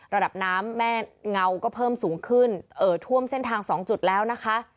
ระดับน้ำแม่เงาก็เพิ่มสูงขึ้นเอ่อท่วมเส้นทาง๒จุดแล้วนะคะ